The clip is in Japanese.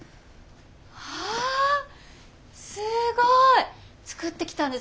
あすごい！作ってきたんですか？